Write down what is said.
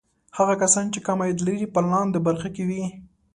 هغه کسان چې کم عاید لري په لاندې برخه کې وي.